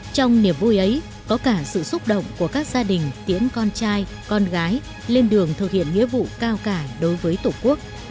trong niềm vui ấy có cả sự xúc động của các gia đình tiễn con trai con gái lên đường thực hiện nghĩa vụ cao cả đối với tổ quốc